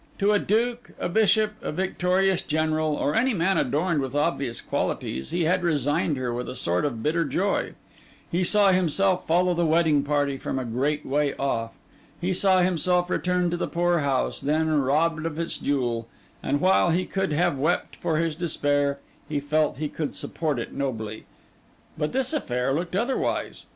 To a duke, a bishop, a victorious general, or any man adorned with obvious qualities, he had resigned her with a sort of bitter joy; he saw himself follow the wedding party from a great way off; he saw himself return to the poor house, then robbed of its jewel; and while he could have wept for his despair, he felt he could support it nobly. But this affair looked otherwise.